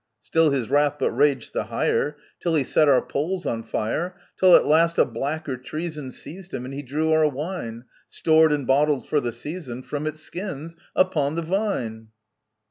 " Still his wrath but raged the higher, Till he set our poles on fire, Till at last a blacker treason Seized him, and he drew our wine, Stored and bottled for the season, From its skins — upon the vine